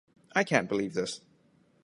I can't believe this.